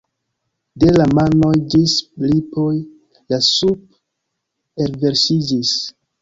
De la manoj ĝis lipoj la sup' elverŝiĝis.